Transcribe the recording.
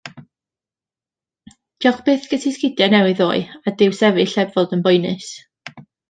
Diolch byth ges i sgidie newydd ddoe a dyw sefyll heb fod yn boenus.